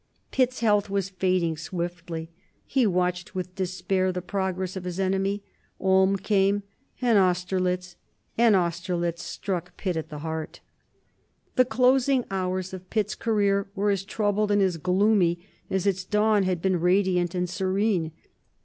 Pitt's health was fading swiftly; he watched with despair the progress of his enemy. Ulm came, and Austerlitz, and Austerlitz struck Pitt at the heart. The closing hours of Pitt's career were as troubled and as gloomy as its dawn had been radiant and serene.